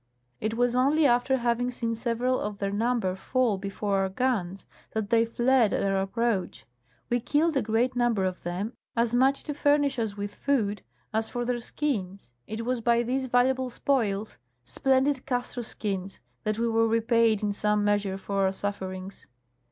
It Avas only after having seen several of their number fall before our guns that they fled at our approach. We killed a great number of them, as much to furnish us with food as for their skins. It was by these valuable spoils, splendid castor skins, that we were repaid in some measure for our sufferings.